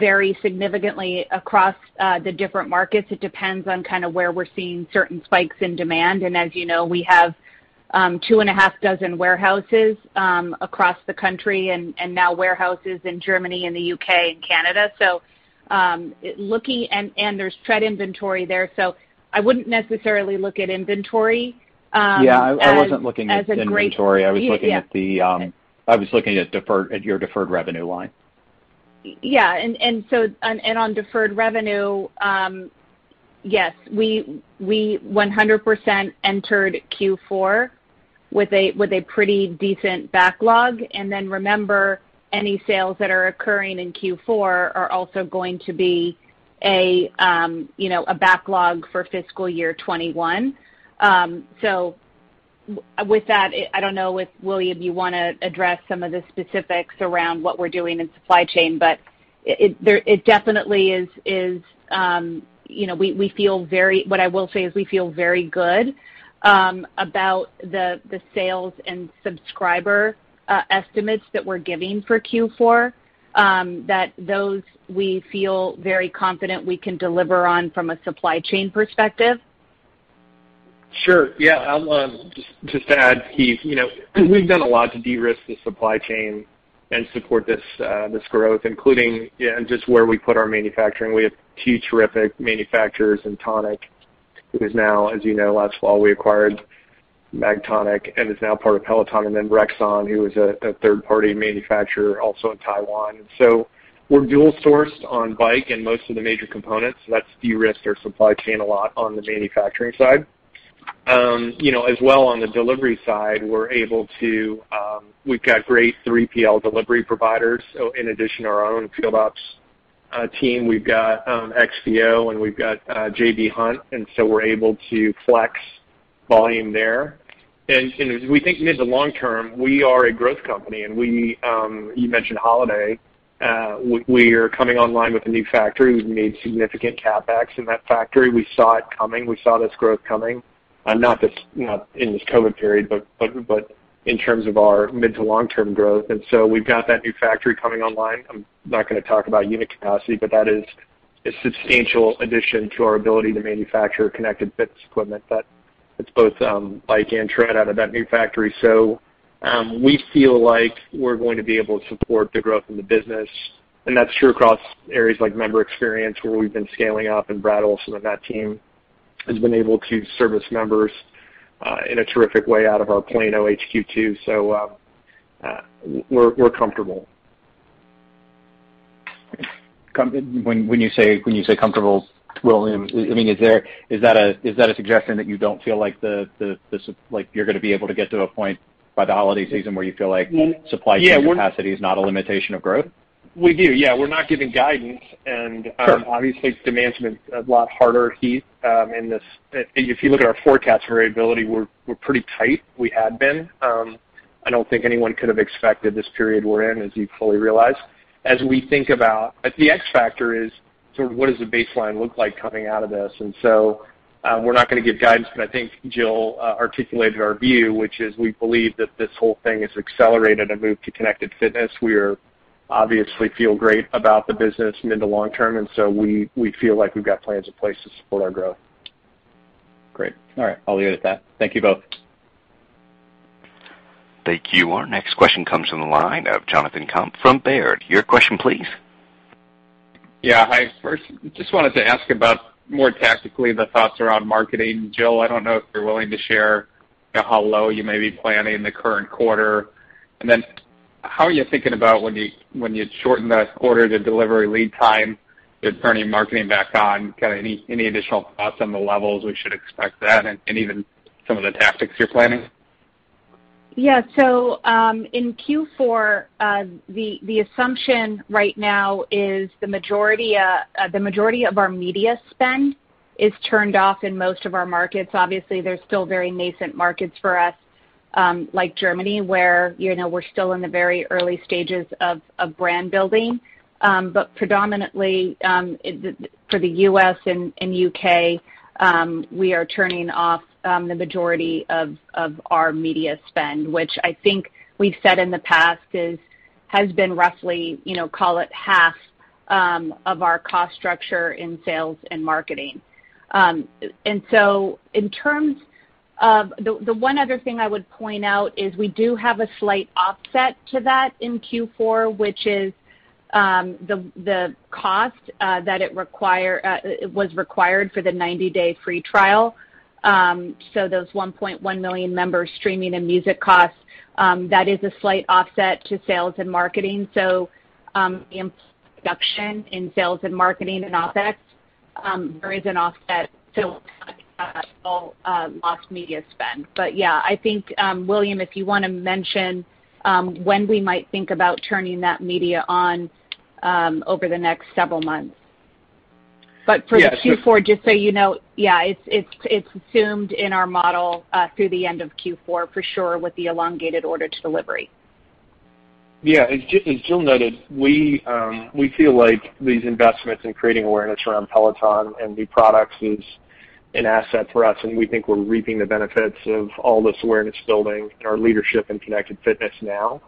vary significantly across the different markets. It depends on kind of where we're seeing certain spikes in demand. As you know, we have 2.5 dozen warehouses across the country, now warehouses in Germany and the U.K. and Canada. There's Tread inventory there, so I wouldn't necessarily look at inventory as a great. Yeah, I wasn't looking at inventory. Yeah. I was looking at your deferred revenue line. Yeah. On deferred revenue, yes, we 100% entered Q4 with a pretty decent backlog. Remember, any sales that are occurring in Q4 are also going to be a backlog for fiscal year 2021. With that, I don't know if, William, you want to address some of the specifics around what we're doing in supply chain. But what I will say is we feel very good about the sales and subscriber estimates that we're giving for Q4. Those we feel very confident we can deliver on from a supply chain perspective. Sure, yeah. Just to add, Heath, we've done a lot to de-risk the supply chain and support this growth, including just where we put our manufacturing. We have two terrific manufacturers in Tonic, who is now, as you know, last fall we acquired Magtonic and is now part of Peloton, and then Rexon, who is a third-party manufacturer also in Taiwan. We're dual-sourced on Bike and most of the major components. That's de-risked our supply chain a lot on the manufacturing side. As well on the delivery side, we've got great 3PL delivery providers. In addition to our own field ops team, we've got XPO and we've got J.B. Hunt, and so we're able to flex volume there. As we think into the long term, we are a growth company, and you mentioned holiday. We are coming online with a new factory. We've made significant CapEx in that factory. We saw it coming. We saw this growth coming, not in this COVID period, but in terms of our mid to long-term growth. We've got that new factory coming online. I'm not going to talk about unit capacity, but that is a substantial addition to our ability to manufacture Connected Fitness equipment that it's both Bike and Tread out of that new factory. We feel like we're going to be able to support the growth in the business, and that's true across areas like member experience, where we've been scaling up and Brad Olson and that team has been able to service members in a terrific way out of our Plano HQ, too. We're comfortable. When you say comfortable, William, is that a suggestion that you don't feel like you're going to be able to get to a point by the holiday season where you feel like supply chain capacity is not a limitation of growth? We do, yeah. We're not giving guidance. Sure. Obviously demand's been a lot harder, Heath. If you look at our forecast variability, we're pretty tight. We had been. I don't think anyone could have expected this period we're in, as you fully realize. The X factor is sort of what does the baseline look like coming out of this? We're not going to give guidance, but I think Jill articulated our view, which is we believe that this whole thing has accelerated a move to Connected Fitness. We obviously feel great about the business mid to long term, and so we feel like we've got plans in place to support our growth. Great. All right. I'll leave it at that. Thank you both. Thank you. Our next question comes from the line of Jonathan Komp from Baird. Your question, please. Yeah. Hi. First, just wanted to ask about more tactically the thoughts around marketing. Jill, I don't know if you're willing to share how low you may be planning the current quarter, and then how are you thinking about when you'd shorten the quarter, the delivery lead time, with turning marketing back on? Kind of any additional thoughts on the levels we should expect that in, and even some of the tactics you're planning? Yeah. In Q4, the assumption right now is the majority of our media spend is turned off in most of our markets. Obviously, there's still very nascent markets for us, like Germany, where we're still in the very early stages of brand building. Predominantly, for the U.S. and U.K., we are turning off the majority of our media spend, which I think we've said in the past has been roughly, call it half of our cost structure in sales and marketing. The one other thing I would point out is we do have a slight offset to that in Q4, which is the cost that was required for the 90-day free trial. Those 1.1 million members streaming and music costs, that is a slight offset to sales and marketing. In production, in sales and marketing and OpEx, there is an offset, so lost media spend. Yeah, I think, William, if you want to mention when we might think about turning that media on over the next several months. For Q4-just so you know, it's assumed in our model through the end of Q4 for sure, with the elongated order to delivery. Yeah. As Jill noted, we feel like these investments in creating awareness around Peloton and new products is an asset for us, and we think we're reaping the benefits of all this awareness building and our leadership in Connected Fitness now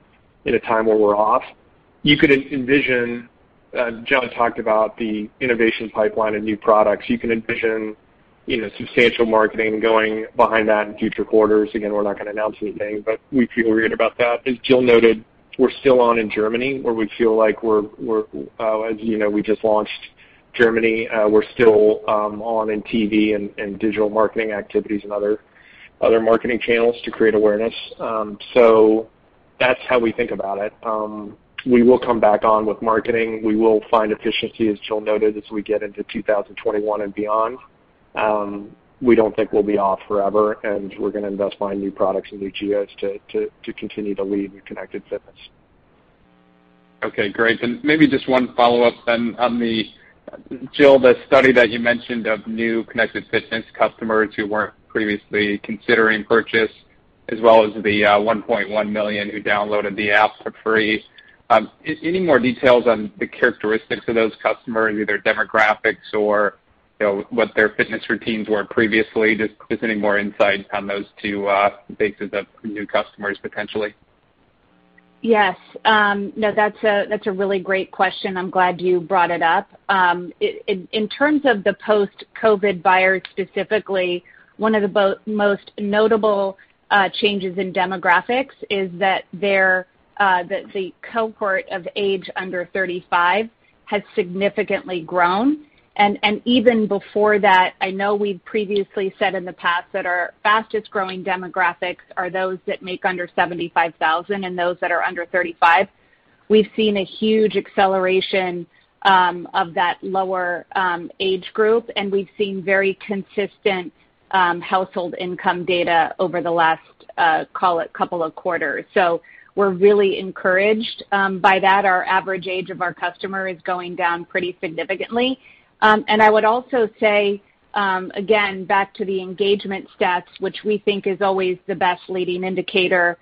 in a time where we're off. John talked about the innovation pipeline and new products. You can envision substantial marketing going behind that in future quarters. Again, we're not going to announce anything. We feel great about that. As Jill noted, we're still on in Germany, where we feel like. As you know, we just launched Germany. We're still on in TV and digital marketing activities and other marketing channels to create awareness. That's how we think about it. We will come back on with marketing. We will find efficiency, as Jill noted, as we get into 2021 and beyond. We don't think we'll be off forever, and we're going to invest behind new products and new geos to continue to lead in Connected Fitness. Okay, great. Maybe just one follow-up then on the, Jill, the study that you mentioned of new Connected Fitness customers who weren't previously considering purchase, as well as the 1.1 million who downloaded the app for free. Any more details on the characteristics of those customers, either demographics or what their fitness routines were previously? Just any more insights on those two bases of new customers, potentially? Yes. No, that's a really great question. I'm glad you brought it up. In terms of the post-COVID buyers, specifically, one of the most notable changes in demographics is that the cohort of age under 35 has significantly grown. Even before that, I know we've previously said in the past that our fastest-growing demographics are those that make under 75,000 and those that are under 35. We've seen a huge acceleration of that lower age group, and we've seen very consistent household income data over the last, call it, couple of quarters. We're really encouraged by that. Our average age of our customer is going down pretty significantly. I would also say, again, back to the engagement stats, which we think is always the best leading indicator,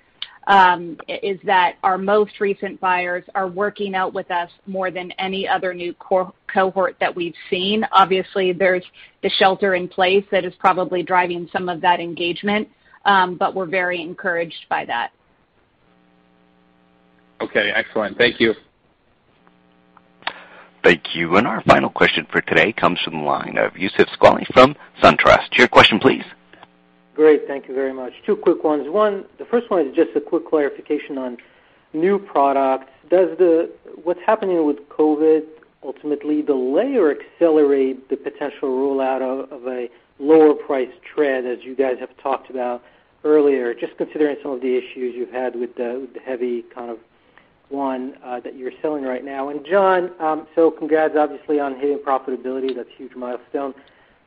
is that our most recent buyers are working out with us more than any other new cohort that we've seen. Obviously, there's the shelter in place that is probably driving some of that engagement, but we're very encouraged by that. Okay, excellent. Thank you. Thank you. Our final question for today comes from the line of Youssef Squali from SunTrust. Your question please. Great. Thank you very much. Two quick ones. The first one is just a quick clarification on new products. What's happening with COVID, ultimately delay or accelerate the potential rollout of a lower price tread, as you guys have talked about earlier, just considering some of the issues you've had with the heavy kind of one that you're selling right now. John, congrats obviously on hitting profitability. That's a huge milestone.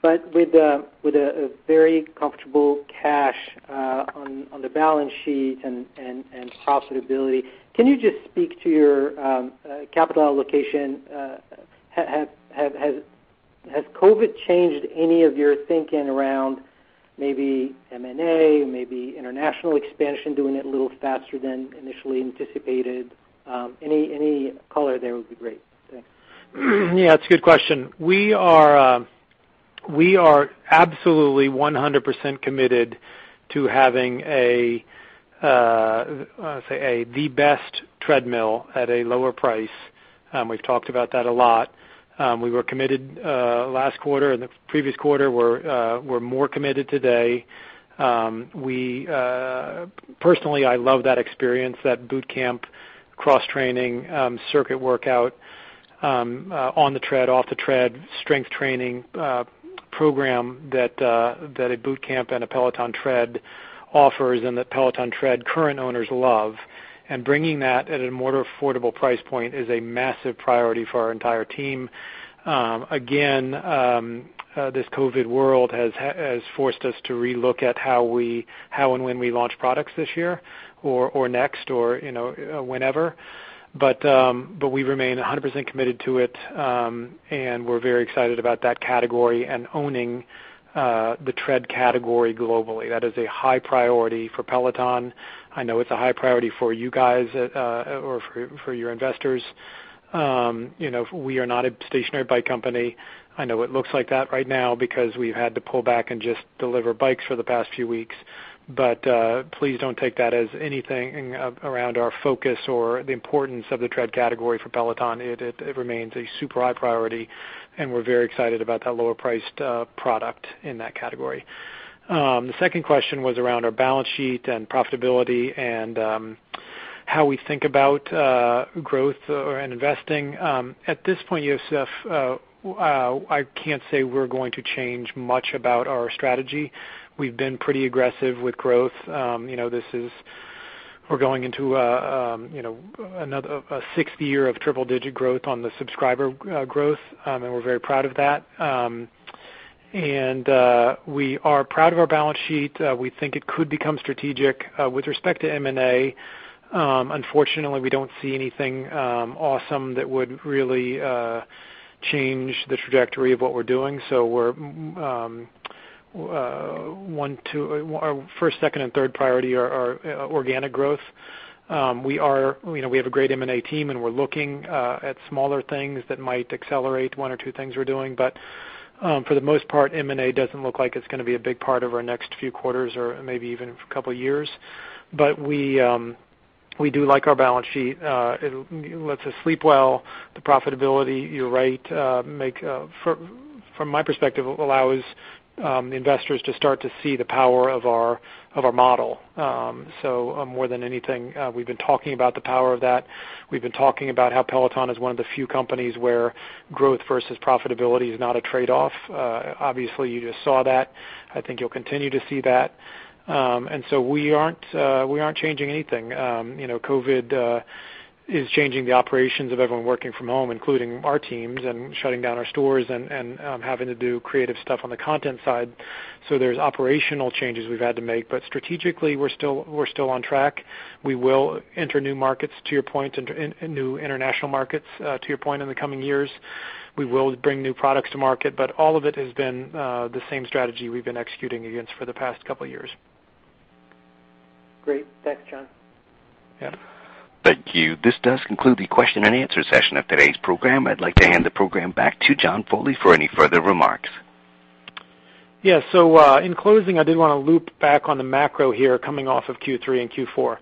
With a very comfortable cash on the balance sheet and profitability, can you just speak to your capital allocation? Has COVID changed any of your thinking around maybe M&A, maybe international expansion, doing it a little faster than initially anticipated? Any color there would be great. Thanks. Yeah, it's a good question. We are absolutely 100% committed to having the best treadmill at a lower price. We've talked about that a lot. We were committed last quarter and the previous quarter. We're more committed today. Personally, I love that experience, that boot camp, cross-training, circuit workout, on the tread, off the tread strength training program that a boot camp and a Peloton Tread offers and that Peloton Tread current owners love. Bringing that at a more affordable price point is a massive priority for our entire team. Again, this COVID world has forced us to re-look at how and when we launch products this year or next or whenever. We remain 100% committed to it, and we're very excited about that category and owning the tread category globally. That is a high priority for Peloton. I know it's a high priority for you guys, or for your investors. We are not a stationary bike company. I know it looks like that right now because we've had to pull back and just deliver bikes for the past few weeks. Please don't take that as anything around our focus or the importance of the Tread category for Peloton. It remains a super high priority, and we're very excited about that lower priced product in that category. The second question was around our balance sheet and profitability and how we think about growth and investing. At this point, Youssef, I can't say we're going to change much about our strategy. We've been pretty aggressive with growth. We're going into a sixth year of triple-digit growth on the subscriber growth, and we're very proud of that. We are proud of our balance sheet. We think it could become strategic. With respect to M&A, unfortunately, we don't see anything awesome that would really change the trajectory of what we're doing. Our first, second, and third priority are organic growth. We have a great M&A team, and we're looking at smaller things that might accelerate one or two things we're doing. For the most part, M&A doesn't look like it's going to be a big part of our next few quarters or maybe even a couple of years. We do like our balance sheet. It lets us sleep well. The profitability, you're right, from my perspective, allows investors to start to see the power of our model. More than anything, we've been talking about the power of that. We've been talking about how Peloton is one of the few companies where growth versus profitability is not a trade-off. Obviously, you just saw that. I think you'll continue to see that. We aren't changing anything. COVID is changing the operations of everyone working from home, including our teams, and shutting down our stores and having to do creative stuff on the content side. There's operational changes we've had to make, but strategically, we're still on track. We will enter new markets, to your point, new international markets, to your point, in the coming years. We will bring new products to market, but all of it has been the same strategy we've been executing against for the past couple of years. Great. Thanks, John. Yeah. Thank you. This does conclude the question and answer session of today's program. I'd like to hand the program back to John Foley for any further remarks. Yeah. In closing, I did want to loop back on the macro here coming off of Q3 and Q4.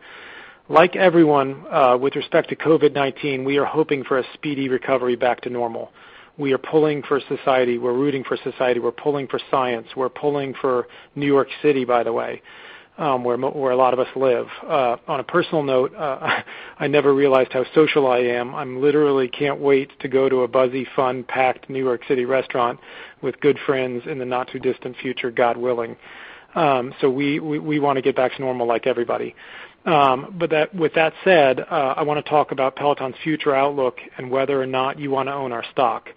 Like everyone, with respect to COVID-19, we are hoping for a speedy recovery back to normal. We are pulling for society. We're rooting for society. We're pulling for science. We're pulling for New York City, by the way, where a lot of us live. On a personal note, I never realized how social I am. I literally can't wait to go to a buzzy, fun, packed New York City restaurant with good friends in the not too distant future, God willing. We want to get back to normal like everybody. With that said, I want to talk about Peloton's future outlook and whether or not you want to own our stock.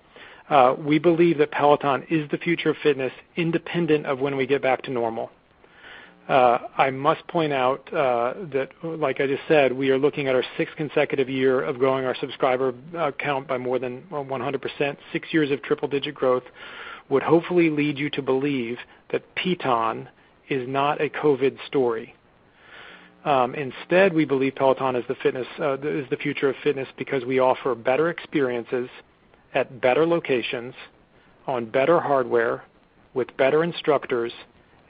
We believe that Peloton is the future of fitness, independent of when we get back to normal. I must point out that, like I just said, we are looking at our sixth consecutive year of growing our subscriber count by more than 100%. Six years of triple-digit growth would hopefully lead you to believe that PTON is not a COVID story. Instead, we believe Peloton is the future of fitness because we offer better experiences at better locations on better hardware with better instructors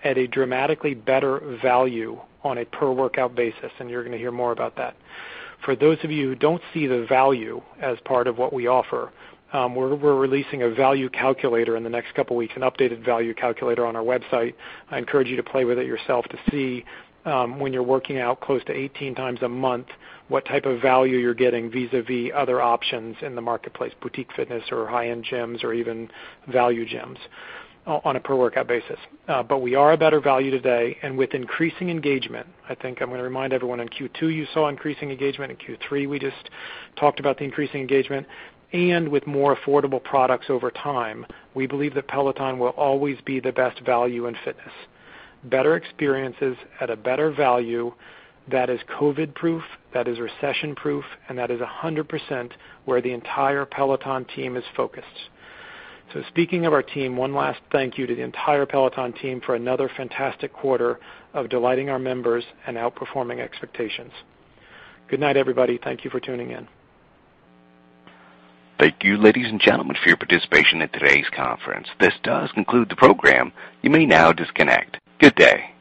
at a dramatically better value on a per-workout basis, and you're going to hear more about that. For those of you who don't see the value as part of what we offer, we're releasing a value calculator in the next couple of weeks, an updated value calculator on our website. I encourage you to play with it yourself to see, when you're working out close to 18x a month, what type of value you're getting vis-à-vis other options in the marketplace, boutique fitness or high-end gyms or even value gyms on a per-workout basis. We are a better value today, and with increasing engagement, I think I'm going to remind everyone, in Q2, you saw increasing engagement. In Q3, we just talked about the increasing engagement. With more affordable products over time, we believe that Peloton will always be the best value in fitness. Better experiences at a better value that is COVID-19 proof, that is recession proof, and that is 100% where the entire Peloton team is focused. Speaking of our team, one last thank you to the entire Peloton team for another fantastic quarter of delighting our members and outperforming expectations. Good night, everybody. Thank you for tuning in. Thank you, ladies and gentlemen, for your participation in today's conference. This does conclude the program. You may now disconnect. Good day.